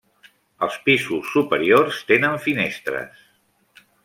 Els pisos superiors tenen finestres.